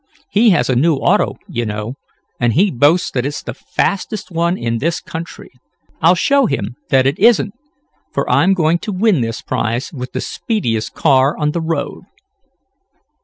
He has a new auto, you know, and he boasts that it's the fastest one in this country. I'll show him that it isn't, for I'm going to win this prize with the speediest car on the road."